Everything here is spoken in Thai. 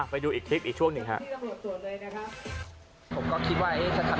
ไปดูอีกคลิปอีกช่วงนึงครับ